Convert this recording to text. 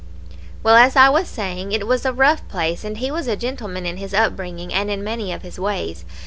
"Well, as I was saying, it was a rough place, and he was a gentleman in his up bringing and in many of his ways.